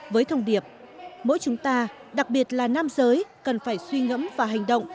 với thông điệp mỗi chúng ta đặc biệt là nam giới cần phải suy ngẫm và hành động